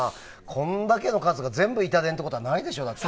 これだけの数が全部イタ電ってことはないでしょ、だって。